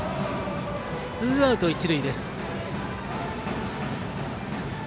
ツーアウト、一塁です。